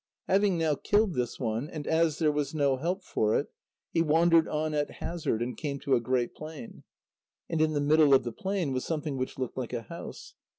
Having now killed this one, and as there was no help for it, he wandered on at hazard, and came to a great plain. And in the middle of the plain was something which looked like a house.